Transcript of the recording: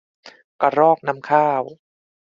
กระรอกน้ำข้าว